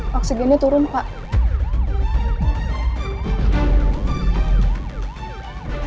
vaksinnya turun pak